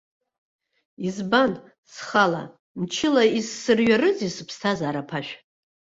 Избан, схала, мчыла изсырҩарызеи сыԥсҭазаара аԥашә.